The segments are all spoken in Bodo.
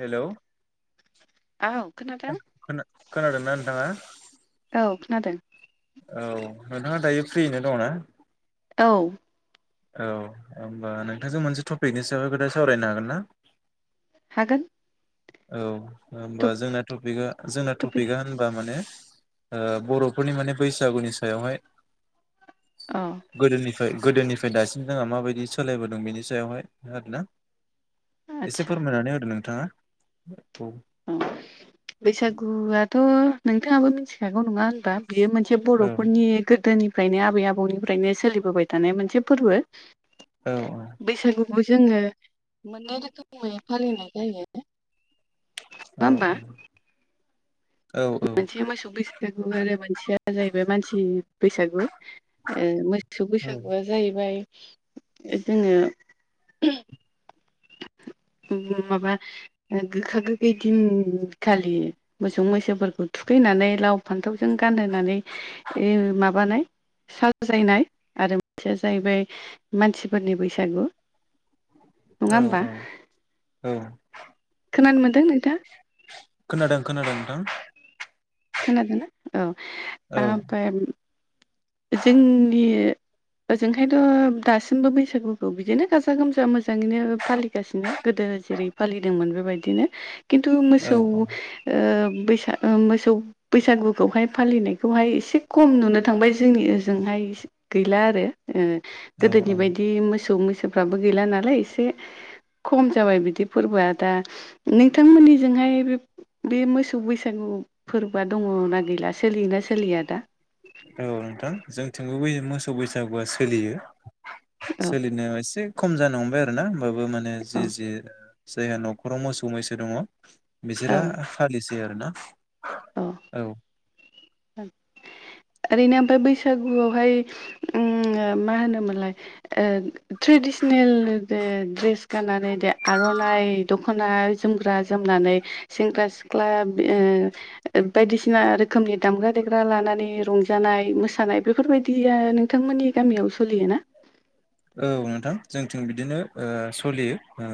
हेलौ औ खोनादों खोनादोंना नोंथांङा औ खोनादों। औ नोंथाङा दायो फ्रियैनो दं ना? औ। औ होमबा नोंथांजों मोनसे टपिकनि सायावहाय खोथा सावरायनो हागोन ना? हागोन औ होमबा जोंना तपिक जोंना टपिक टपिकआ होनबा माने ओ बर'फोरनि माने बैसागुनि सायावहाय अ गोदोनिफ्राय गोदोनिफ्राय दासिम जोंहा माबायदि सोलायबोदों बेनि सायावहाय आरोना एसे आदसा फोरमायनानै होदो नोंथाङा औ बैसागुआथ' नोंथाङाबो मिथिखागौ नङा बियो मोनसे औ बर'फोरनि गोदोनि फ्रायनो आबै आबौनिफ्रायनो सोलिबोबाय थानाय मोनसे फोरबो औ बैसागु जोङो मोननै रोखोमै फालिनाय जायो। नङा औ होमबा औ। औ मोनसे मोसौ बेैस बैसागु आरो मोनसेया जाहैबाय मानसि बैसागु मो मोसौ औ बैसागुआ जाहैबाय जोङो। [inaudible] माबा गोखा गोखै दिनखालि मोसौ मैसोफोरखौ फैनानै लाव फान्थावजों गानहोनानै माबानाय साजायनाय आरो मोनसेया जाहैबाय मानसिफोरनि बैसागु नङा औ होमबा औ औ। खोनानो मोनदों नोंथां। खोनादों खोनादों नोंथां। खोनादोंना औ औ ओमफ्राय [inaudible] जोंनि ओजोंहायथ' दासिमबो बैसागुखौ बिदिनो गाजा गोमजा मोजाङैनो फालिगासिनो गोदो जेरै फालिदोंमोन बेबायदिनो खिन्थु मोसौ औ ओ बैसाग ओ मोसौ बैसागुखौहाय फालिनायखौहाय एसे खम नुनो थांबाय जोंनि ओजोंहाय गैला आरो ओ औ गोदोनि औ बायदि मोसौ मैसोफ्राबो गैला नालाय एसे खम जाबाय बिदि फोरबोआ दा नोंथांमोननिजोंहाय बे बे मोसौ बैसागु फोरबोआ दङना गैला सोलियोना सोलिया दा? औ नोंथां जोंथिंबो बै मोसौ बैसागुआ सोलियो। औ सोलिनोयाव एसे खम जानो हमबाय आरोोना होमबाबो माने औ जि जि जायहा न'खराव मोसौ मैसो दङ औ बिसोरा फालिसै आरोना। औ औ। ओरैनो ओमफ्राय बैसागुआवहाय उम मा होनोमोनलाय ओ ट्रेदिसनेल द ड्रेस गाननानै दे आर'नाइ दख'ना जोमग्रा जोमनानै सेंग्रा सिख्ला बेओ बायदि सिना रोखोमनि दामग्रा देग्रा लानानै रंजानाय मोसानाय बेफोरबायदिया नोंथांमोननि गामियाव सोलियोना? औ नोंथां जोंथिं बिदिनो ओ सलियो ओ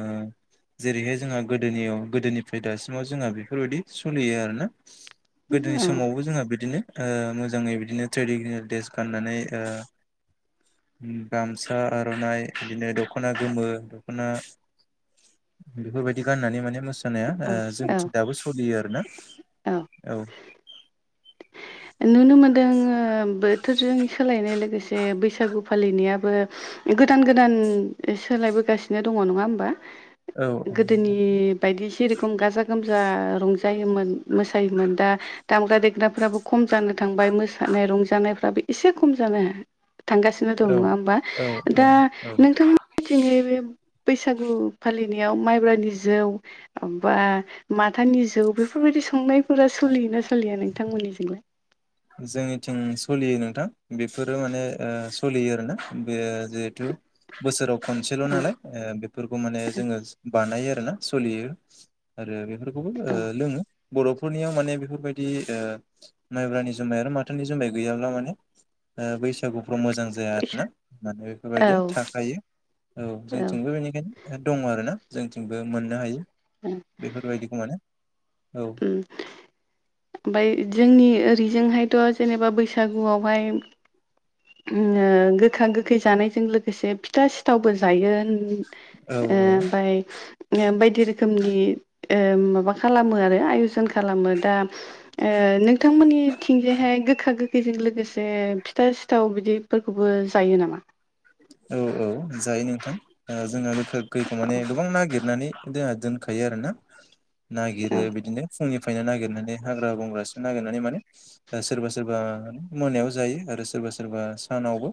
जेरैहाय जोंहा गोदोनियाव गोदोनिफ्राय दासिमाव जोंहा बेफोरबायदि सोलियो आरोना गोदोनि औ समावबो जोंहा बिदिनो ओ मोजाङै बिदिनो ट्रेडिसनेल दड्रेस ओ गाननानै ओ गामसा फथा आर'नाइ बिदिनो दख'ना गोमो दख'ना बेफोरबायदि गाननानै माने मोसानाया औ ओ औ जोंथिं दाबो सोलियो आरोना। औ। नुनो मोनदों ओ बोथोरजों सोलायनाय लोगोसे बैसागु फालिनायाबो गोदान गोदान सोलायबोगासिनो दङ' नङा होमबा। औ गोदोनि बायदि जिरखम गाजा गोमजा रंजायोमोन मोसा जायोमोन दा दामग्रा देग्राफोराबो खम जानो थांबाय मोसानाय रंजानायफ्राबो एसे खम जानो थांगासिनो दं नङा होमबा? औ औ दा औ नोंथांमोनिथिङै बे बैसागु फालिनायाव माइब्रानि जौ बा माथानि जौ बेफोरबायदि संनाय फुरा सोलियोना सोलिया नोंथांमोननिजोंलाय? जोंनिथिं सलियो नोंथां बेफोरो माने ओ सलियो आरोना बे जिहेथतु बोसोराव खनसेल' नालाय ओ बेफोरखौ माने जोङो बानायो आरोना सलियो आरो औ लोङो बर'फोरनियाव माने बेफोरबायदि ओ माइब्रानि जौ जुमाय आरो माथानि जुमाइ गैयाब्ला माने ओ बैसागु आव मोजां जाया फैसा आरोना माने औ बेफोरबायदिया थाखायो। औ जोंथिंबो बेनिखायनो दङ' आरो ना। जोंथिंबो मोननो हायो बेफोरबायदिखौ माने औ ओमफ्राय जोंनि ओरैजोंहाय थ' जेनेबा बैसागुआवहाय अम ओ गोखा गोखै जानायजों लोगोसे फिथा सिथावबो जायो उम ओ औ औ ओमफ्राय बायदि रोखोम रोखोमनि ओ माबा खालामो आरो आयजन खालामो दा ओ नोंथांमोननि थिंजायहाय गोखा गोखैजों लोगोसे फिथा सिथ सिथाव बिदिफोरखौबो जायो नामा? औ औ जायो नोंथां ओ जोंहा गोखा गोखैखौ औ माने गोबां नागिरनानै दि दोनखायो आरो ना। नागिरो औ बिदिनो फुंनिफ्रायनो नागिरनानै हाग्रा बंग्रासो नागिरनानै माने सोरबा सोरबा मोनायाव जायो आरो सोरबा सोरबा सानावबो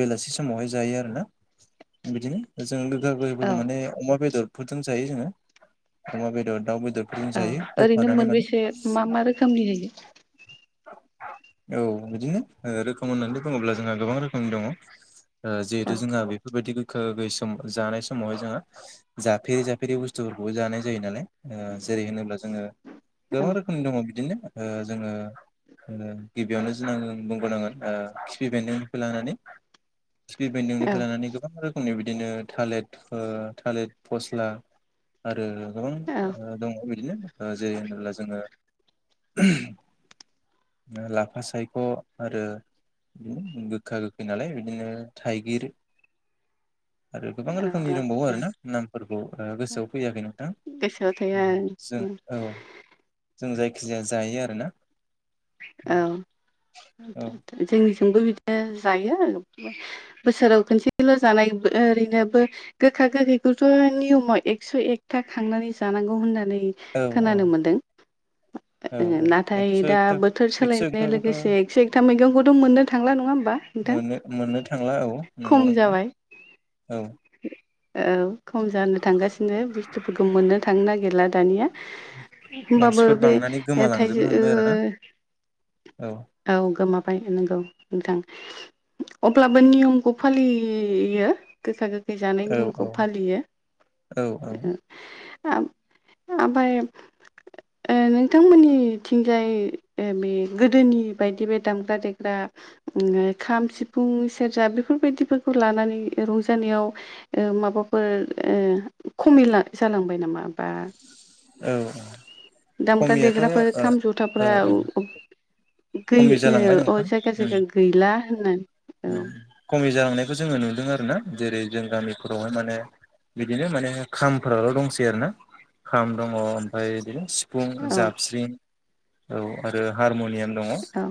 बेलासि समावहाय जायो आरोना। बिदिनो जों गोगा गै फोरखौ औ माने अमा बेदर फुथुम जायो जोङो अमा बेदर दाउ बेदर औ जायो ओरैनो होफानानै माने। मोनबेसे मा मा रोखोमनि होयो? औ बिदिनो रोखोम होननानै बुङोब्ला जोंहा गोबां रोखोमनि दङ ओ औ जिहेथु जोंहा बेफोरबायादि गोगै सम जानाय समावहाय जोङो जाफेरि जाफेरि बुस्थुफोरखौबो जानाय जायो नालाय जेरै होनोब्ला जोङो औ गोबां रोखोमनि दङ बिदिनो जोङो गिबियावनो जोंना आ बुंबावनांगोन खिफि बेन्दों निफाय लानानै खिफि औ बेन्दिंनिफ्राय लानानै गोबां रोखोमनि बिदिनो थालिर थालिर फस्ला आरो गोबां औ ओ दङ बिदिनो जेरै होनोब्ला जोङो [unintelligible] लाफा सायख' आरो गोखा गोखै नालाय बिदिनो थाइगिर आरो गोबां रोखोमनि दंबावो औ आरो ना। नामफोरखौ ओं गोसोआव फैयाखै नोंथां गोसोआव थाया जों औ जों जायखिजाया जायो आरोना। औ औ जोंनिजोंबो बि जायो बोसोराव खनसेल' जानाय ओरैनोबो गोखा गोखै बेखौथ' नियमाव एकस' एकथा खांनानै जानांगौ होननानै औ औ खोनानो औ मोनदों औ नाथाय एकस' दा एकथा बो थोर एकस' सोलायनाय एकथाखौथ' लोगोसे एकस' एकथा मैगंखौथ' मोननो थांला नङा नोंथां मोन-मोननो थांला औ खम नंगौ नंथां जाबाय औ औ खम जानो थांगासिनो बुस्थुफोरखौ मोननो थांनो नागिरला दानिया। होनबाबो मानसिफोर बे बांनानै ओं थाइजौ गोमालांजोबनो ओ हमबाय आरोना औ गोमाबाय नंगौ नोंथां। अब्लाबो नियमखौ फालियो गोखा गोखै जानाय औ नियमखौ औ फालियो औ औ ओमफाय ओं नोंथांमोननिथिंजाय बे गोदोनि बायदि बे दामग्रा देग्रा ओं खाम, सिफुं, सेरजा बेफोर बेफोरबायदिफोरखौ लानानै रंजानायाव ओं माबाफोर ओं खमिला जालांबाय नामा बा औ दामग्रा खमियाथ' ओ देग्राफोर खाम औ जथाफ्रा औ खमि गैया जालांबाय औ नोंथां जायगा उम जायगा गैला होननानै औ खमि जालांनायखौ जोङो नुदों आरो ना जेरै जों गामिफोरावहाय माने बिदिनो माने खामफोराल' दंसै आरो ना। खाम दङ ओमफ्राय बिदिनो सिफुं, जाबस्रिं औ आरो हारमनियाम दङ औ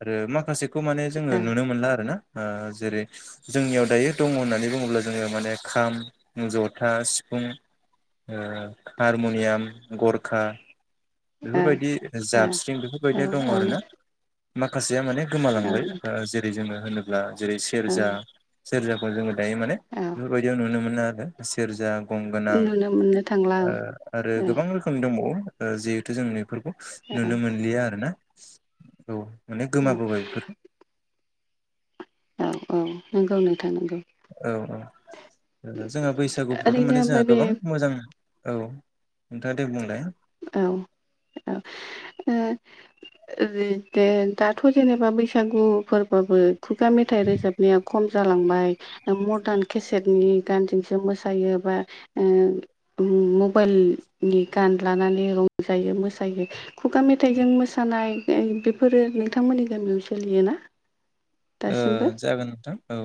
आरो माखासे - खौ माने जोङो नुनो मोनला आरो ना जेरै जोंनियाव दायो दङ होननानै बुङोब्ला जोङो माने खाम, जथा, सिफुं, ओं हारमुनियाम, गरखा बेफोरबायदि जाबस्रिं बेफोरबायदिया ओ दङ आरोना माखासेया माने ओ औ नोंथां औ नोंथां गोमालांबाय जेरै जोङो होनोब्ला जेरै औ सेरजा, सेरजाखौ जोङो दायो माने औ बेफोरबायदियाव नुनो मोनो आरो सेरजा गंगोनां नुनो मोननो थांला औ आरो गोबां रोखोमनि दंबावो जिहेथु जों बेफोरखौ औ नुनो मोनलिया आरो ना औ माने औ गोमाबोबाय बेफोर औ औ नंगौ नोंथां। नंगौ औ औ जोंहा बैसागुफ्रावथ' ओरैनो माने ओमफ्राय जोंहा बे गोबां मोजां औ नोंथाङा दे बुंलाय? औ औ ओं दे दाथ' जेनेबा बैसागु फोरबोबो खुगा मेथाइ रोजाबनाया खम जालांबाय मरदार्न केसेदनि गानजोंसो मोसायो बा ओ मबाइलनि गान लानानै रंजायो, मोसायो खुगा मेथाइजों मोसानाय बेफोरो नोंथांमोननि गामियाव सोलियोना? ओ दासिमबो जागोन नोंथां औ।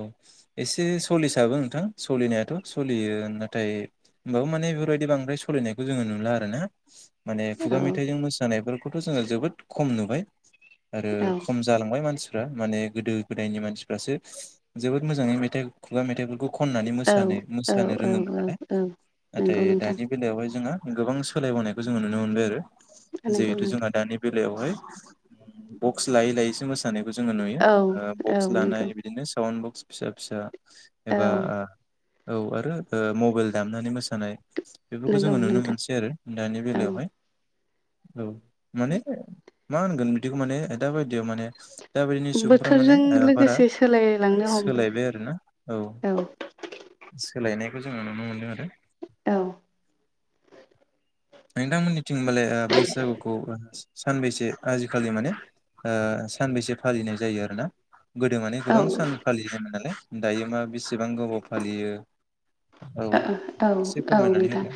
एसे सोलिसाबो नोंथां सोलिनायाथ' सोलियो नाथाय होमबाबो माने बेफोरबायदि बांद्राय सलिनायखौ जोङो नुला आरो ना। माने औ खुगा मेथाइजों मोसानायफोरखौथ' जोङो जोबोद खम नुबाय। आरो खम जालांबाय मानसिफ्रा माने गोदो गोदायनि मानसिफ्रासो जोबोद मोजाङै मेथाइ, खुगा मेथाइफोरखौ खननानै औ मोसानो, औ मोसानो औ रोङोमोन औ नालाय औ नाथाय नंगौ नोंथां दानि बेलायावहाय जोंहा गोबां सोलायबोनायखौ जोङो नुनो मोनबाय आरो नंगौ जिहेथु जोंहा नोंथां दानि बे बेवहाय बक्स लायै लायैसो मोसानायखौ जोङो नुयो। औ औ बक्स नंगौ लानाय बिदिनो साउन्ड बक्स फिसा फिसा औ एबा औ आरो ओ मबाइल दामनानै मोसानाय बेफोरखौ नंगौ जोङो नुनो नोंथां मोनसै आरो दानि औ बेलायावहाय औ माने मा होनगोन बिदिखौ माने दााबायदियाव माने दाबायदिनि नि सुबुंफ्रा माने बोथोरजों बारा लोगोसे सोलायलांनो हमबाय सोलायबाय आरोना औ सोलायनायखौ जोङो नुनो मोनदों आरो। औ नोंथांमोननिथिंबालाय बैसागुखौ सानबैसे आजिखालि माने सानबैसे फालिनाय जायो आरोना गोदो मानै औ गोबां सान फालियोमोन नालाय दायो मा बेसेबां गोबाव फालियो। औ एसे औ फोरमायनानै नोंथां होदो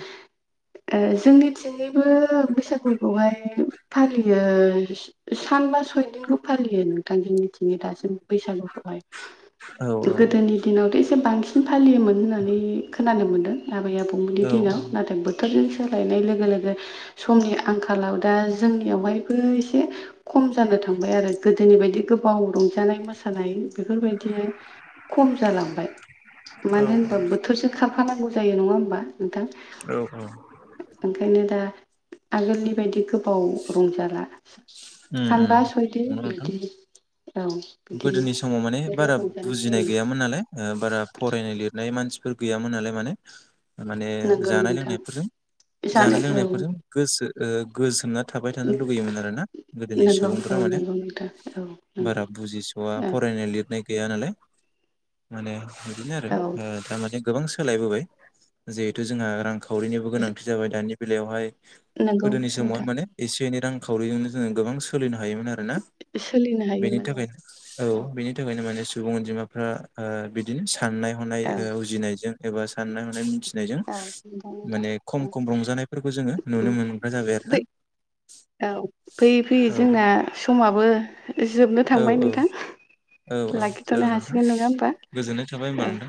ओ जोंनि बिथिंजायबो बैसागुखौहाय फालियो सानबा सयदिनखौ फालियो नोंथां जोंनिथिं दासिम बैसागुखौहाय औ गोदोनि दिनावथ' एसे बांसिन फालियोमोन होननानै खोनानो मोनदों आबै आबौमोननि औ दिनाव नाथाय बोथोरजों सोलायनाय लोगो लोगो समनि आंखालाव दा जोंनियावहायबो एसे खम जानो थांबाय आरो गोदोनि बायदि गोबाव रंजानाय मोसानाय बेफोरबायदि खम जालांबाय औ मानो होनबा बोथोरजों नांगौ जायो नङा होमबा नोंथां औ औ ओंखायनो दा आगोलनि बायदि गो गोबाव रंजाला उम उम सानबा सैदिन नंगौ नोंथां बिदि औ गोदोनि बिदिल' समाव माने बारा रंजानाय बुजिनाय जायो गैयामोन नालाय बारा फरायनाय लिरनाय मानसि बेफोर गैयामोन नालाय माने माने नंगौ जानाय नोंथां लोंनायफोरजों जानाय लोंनायफोरजों गोसो ओ गोसो गो‌जोनो थाबाय थानो लुगैयोमोन आरोना गोदोनि नंगौ सुबुंफोरा औ माने नंगौ नोंथां औ बारा जिस'आ नंगौ फरायनाय लिरनाय गैया नालाय माने बिदिनो आरो औ थारमाने गोबां सोलायबोबाय जिहेथु जोंहा रांखौ रांखावरिनिबो गोनांथि जाबाय दानि बेलायावहाय नंगौ गोदोनि समावहाय नोंथां माने एसे एनै रांखावरिजोंनो जोङो गोबां सोलिनो हायोमोन आरोना सोलिनो हायो बेनि माने औ बिनि थाखायनो माने सुबुं अनजिमाफ्रा बिदिनो साननाय हनाय औ उजिनायजों एबा साननाय हनाय मोन फिनायजों औ नंगौ नोंथां माने खम औ खम रंजानायफोरखौ जोङो नुनो मोनग्रा जाबाय आरो फै ना औ फैयै फैयै औ जोंना समाबो जोबनो औ थांबाय औ औ नोंथां‌ औ जागोन लाखिथ'नो नोंथां हासिगोन नङा होनबा गोजोननाय थाबाय होमबा औ। नोंथां